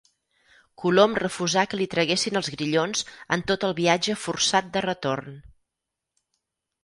Colom refusà que li traguessin els grillons en tot el viatge forçat de retorn.